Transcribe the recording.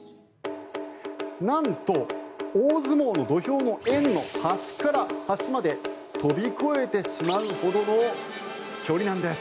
なんと大相撲の土俵の円の端から端まで跳び越えてしまうほどの距離なんです。